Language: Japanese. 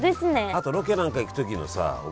あとロケなんか行くときのさお